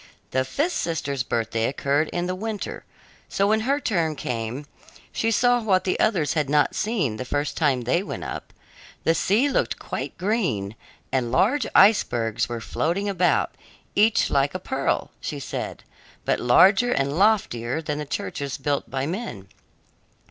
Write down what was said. The fifth sister's birthday occurred in the winter, so when her turn came she saw what the others had not seen the first time they went up. The sea looked quite green, and large icebergs were floating about, each like a pearl, she said, but larger and loftier than the churches built by men.